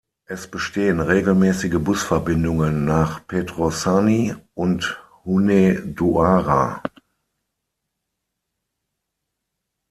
Es bestehen regelmäßige Busverbindungen nach Petroșani und Hunedoara.